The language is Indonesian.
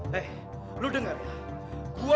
hei dengarkan saya